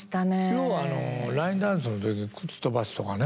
要はラインダンスの時靴飛ばすとかね。